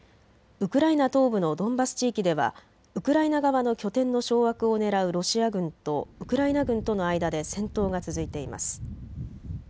ウクライナ東部のドンバス地域ではウクライナ側の拠点の掌握をねらうロシア軍とウクライナ軍との間で戦闘が続いています。